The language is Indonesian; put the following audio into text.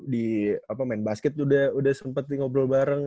di apa main basket udah sempet di ngobrol bareng